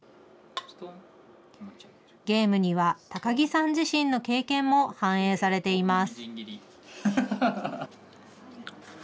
ゲームには、高木さん自身の経験も反映されています。